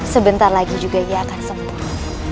sebentar lagi juga ia akan sembuh